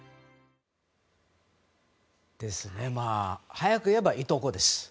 早くいえばいとこです。